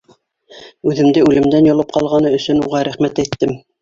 Үҙемде үлемдән йолоп ҡалғаны өсөн уға рәхмәт әйттем.